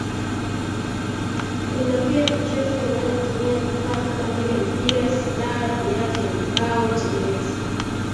Kuna pia michezo inayotumia vifaa kama vile mipira silaha viatu na mbao telezi